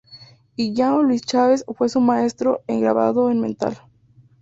Y João Luís Chaves fue su maestro en grabado en metal.